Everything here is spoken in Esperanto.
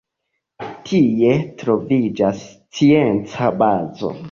Tie troviĝas scienca bazo.